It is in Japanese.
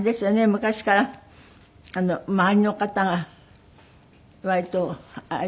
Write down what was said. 昔から周りの方が割とあれでしたよね。